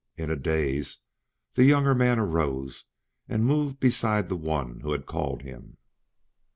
In a daze the younger man arose and moved beside the one who had called him.